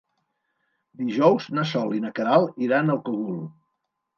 Dijous na Sol i na Queralt iran al Cogul.